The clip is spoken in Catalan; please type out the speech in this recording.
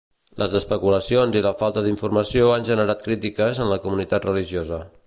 Les especulacions i la falta d'informació han generat crítiques en la comunitat religiosa.